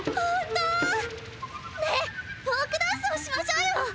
ねえフォークダンスをしましょうよ！